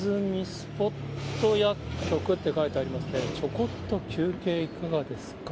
スポット薬局って書いてありますけど、ちょこっと休憩いかがですか？